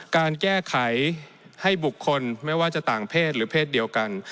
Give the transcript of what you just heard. การแก้ไขให้บุคคลไม่ว่าจะต่างเพศหรือเพศเดียวกัน